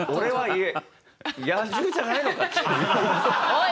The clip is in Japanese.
おい